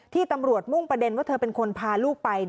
ที่ตำรวจมุ่งประเด็นว่าเธอเป็นคนพาลูกไป